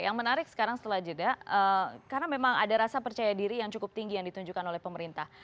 yang menarik sekarang setelah jeda karena memang ada rasa percaya diri yang cukup tinggi yang ditunjukkan oleh pemerintah